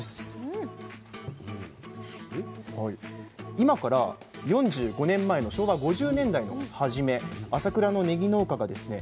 今から４５年前の昭和５０年代のはじめ朝倉のねぎ農家がですね